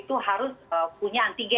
kayak dari saya mengajukan kepada pmprof adalah